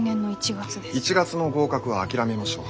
１月の合格は諦めましょう。